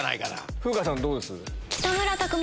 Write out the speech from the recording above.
風花さんどうです？